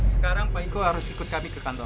sekarang pak iko harus ikut kami ke kantor